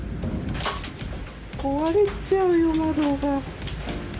壊れちゃうよ、窓が。